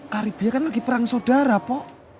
karibia kan lagi perang saudara pok